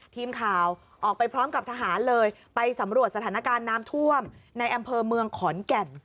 ทีมข่าวออกไปพร้อมกับทหารเลยไปสำรวจสถานการณ์น้ำท่วมในอำเภอเมืองขอนแก่น